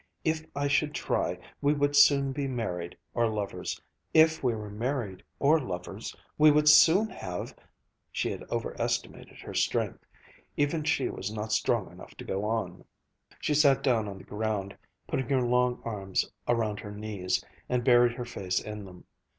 If I should try, we would soon be married, or lovers. If we were married or lovers, we would soon have " She had overestimated her strength. Even she was not strong enough to go on. She sat down on the ground, put her long arms around her knees, and buried her face in them.